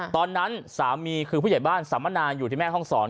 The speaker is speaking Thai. ตอนนั้นผู้ใหญ่บ้านสำนานอยู่ที่แม่ห้องศร